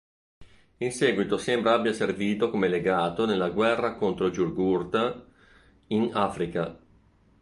In seguito sembra abbia servito come legato nella guerra contro Giugurta in Africa.